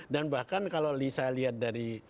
dan bahkan kalau saya lihat dari